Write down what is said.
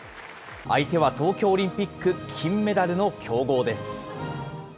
相手は東京オリンピック金メダルの強豪です。